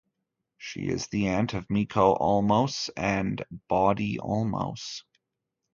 She is the aunt of Mico Olmos and Bodie Olmos.